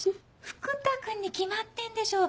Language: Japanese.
福多君に決まってんでしょう！